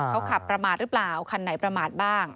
เขาขับประมาทหรือเปล่าคันไหนประมาทบ้าง